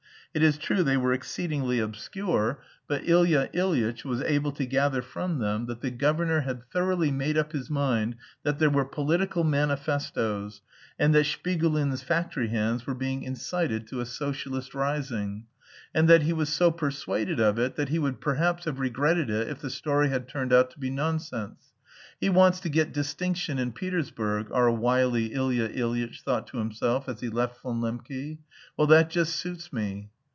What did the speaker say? It is true they were exceedingly obscure, but Ilya Ilyitch was able to gather from them that the governor had thoroughly made up his mind that there were political manifestoes, and that Shpigulins' factory hands were being incited to a Socialist rising, and that he was so persuaded of it that he would perhaps have regretted it if the story had turned out to be nonsense. "He wants to get distinction in Petersburg," our wily Ilya Ilyitch thought to himself as he left Von Lembke; "well, that just suits me."